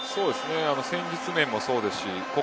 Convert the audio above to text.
戦術面もそうですし